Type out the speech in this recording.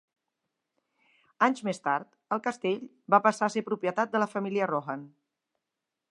Anys més tard, el castell va passar a ser propietat de la família Rohan.